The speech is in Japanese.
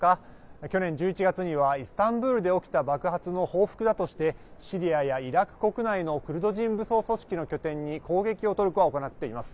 去年１１月にはイスタンブールで起きた爆発の報復だとしてシリアやイラク国内のクルド人武装組織の拠点に攻撃をトルコは行っています。